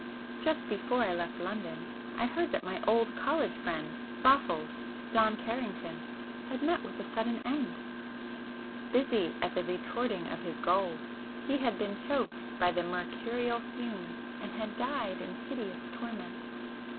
Just before I left London I heard that my old college friend 'Boffles,' John Carrington, had met with a sudden end. Busy at the 'retorting' of his gold, he had been choked by the mercurial fumes and had died in hideous torment.